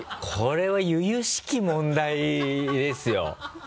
これは由々しき問題ですよ。